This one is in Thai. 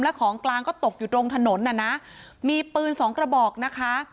และของกลางก็ตกอยู่ตรงถนนน่ะนะมีปืนสองกระบอกนะคะ